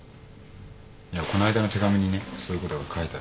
いやこの間の手紙にねそういうことが書いてあったんだけど。